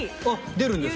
出るんですか？